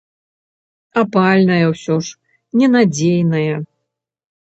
Апальная ўсё ж, ненадзейная.